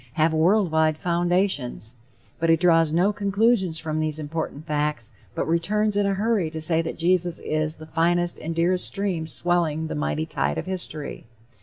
have world wide foundations;" but he draws no conclusions from these important facts, but returns in a hurry to say that Jesus is the "finest and dearest stream swelling the mighty tide of history."